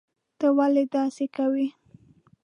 ته ولي داسي کوي